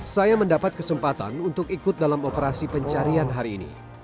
saya mendapat kesempatan untuk ikut dalam operasi pencarian hari ini